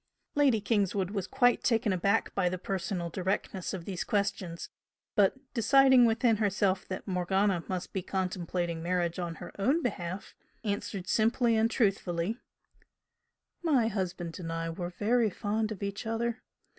Lady Kingswood was quite taken aback by the personal directness of these questions, but deciding within herself that Morgana must be contemplating marriage on her own behalf, answered simply and truthfully "My husband and I were very fond of each other.